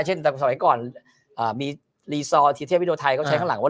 เช่นแต่สวัสดีก่อนอ่ามีทีศเทพวิดีโอไทยเขาใช้ข้างหลังว่า